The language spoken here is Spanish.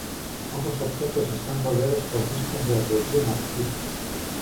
Ambos objetos están rodeados por discos de acreción activos.